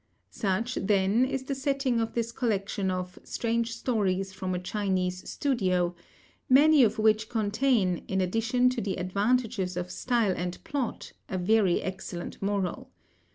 Such, then, is the setting of this collection of Strange Stories from a Chinese Studio, many of which contain, in addition to the advantages of style and plot, a very excellent moral.